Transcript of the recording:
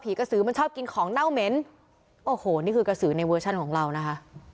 กระสือมันชอบกินของเน่าเหม็นโอ้โหนี่คือกระสือในเวอร์ชันของเรานะคะ